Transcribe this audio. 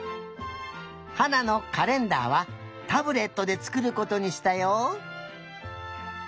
はなのカレンダーはタブレットでつくることにしたよ。